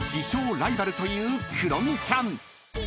ライバルというクロミちゃん］